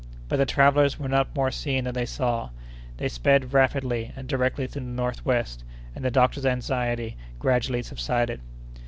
But the travellers were not more seen than they saw. They sped rapidly and directly to the northwest, and the doctor's anxiety gradually subsided.